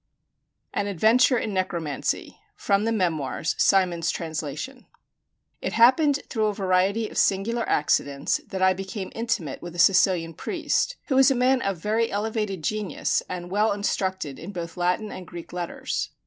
AN ADVENTURE IN NECROMANCY From the 'Memoirs': Symonds's Translation It happened through a variety of singular accidents that I became intimate with a Sicilian priest, who was a man of very elevated genius and well instructed in both Latin and Greek letters.